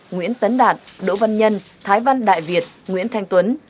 nguyễn tấn đạt đỗ văn nhân thái văn đại việt nguyễn thanh tuấn